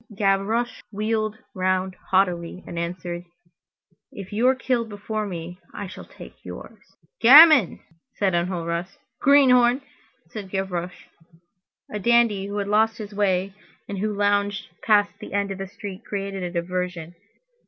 Gavroche wheeled round haughtily, and answered:— "If you are killed before me, I shall take yours." "Gamin!" said Enjolras. "Greenhorn!" said Gavroche. A dandy who had lost his way and who lounged past the end of the street created a diversion!